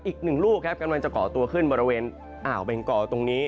อีก๑ลูกกำลังจะก่อตัวขึ้นบริเวณอ่าวเบงก่อตรงนี้